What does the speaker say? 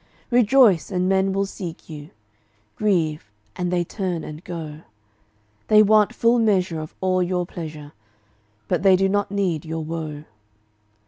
Rejoice, and men will seek you; Grieve, and they turn and go; They want full measure of all your pleasure, But they do not need your woe.